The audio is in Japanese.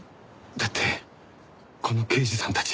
だってこの刑事さんたち。